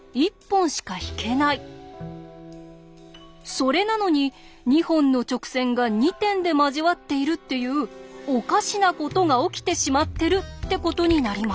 それなのに２本の直線が２点で交わっているっていうおかしなことが起きてしまってるってことになります。